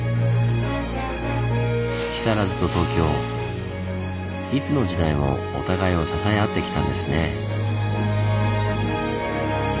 木更津と東京いつの時代もお互いを支え合ってきたんですね。